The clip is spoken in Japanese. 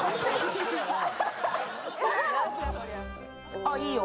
ああ、いいよ。